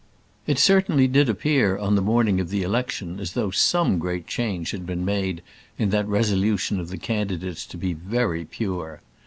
It certainly did appear on the morning of the election as though some great change had been made in that resolution of the candidates to be very pure.